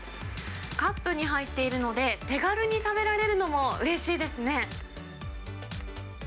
カップに入っているので、手軽に食べられるのもうれしいですね。